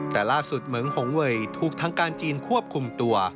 แต่ล่าสุดเหมืองหงเวยถูกทางการจีนควบคุมตัว